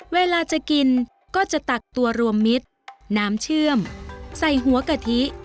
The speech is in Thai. เวลาจะกินก็จะตักตัวรวมมิตรน้ำเชื่อมใส่หัวกะทิ